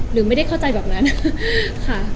หรือไม่ได้เข้าใจแบบนั้นค่ะ